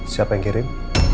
siapa yang kirim